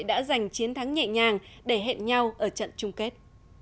đã giành chiến thắng nhẹ nhàng để hẹn nhau ở trận chung kết